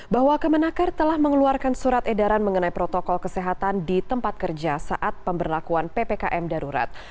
bahwa kemenaker telah mengeluarkan surat edaran mengenai protokol kesehatan di tempat kerja saat pemberlakuan ppkm darurat